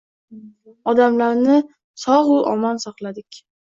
Odamlarni sogʻu omon saqladik